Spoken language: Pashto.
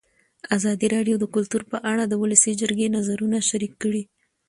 ازادي راډیو د کلتور په اړه د ولسي جرګې نظرونه شریک کړي.